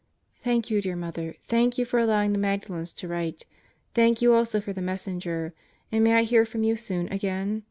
Thank you, dear Mother thank you for allowing the Magda lens to write; thank you also for the Messenger, and may I hear from you soon again?